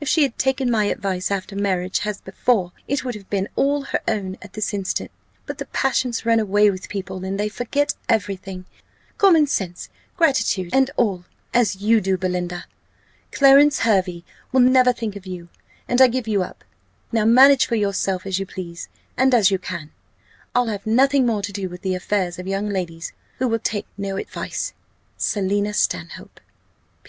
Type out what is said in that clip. "If she had taken my advice after marriage as before, it would have been all her own at this instant. But the passions run away with people, and they forget every thing common sense, gratitude, and all as you do, Belinda. Clarence Hervey will never think of you, and I give you up! Now manage for yourself as you please, and as you can! I'll have nothing more to do with the affairs of young ladies who will take no advice. "SELINA STANHOPE.